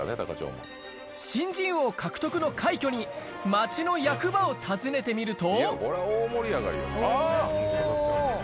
新人王獲得の快挙に、町の役場を訪ねてみると。